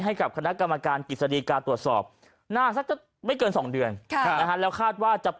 ให้กับคณะกรรมการกิจ